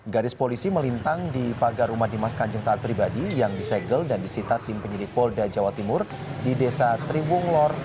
garis polisi melintang di pagar rumah di mas kanjeng taat pribadi yang disegel dan disita tim penyidik polda jatim di desa tribunglor